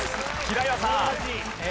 平岩さん。